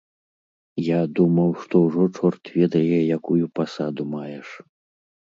Я думаў, што ўжо чорт ведае якую пасаду маеш!